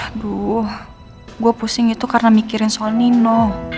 aduh gue pusing itu karena mikirin soal nino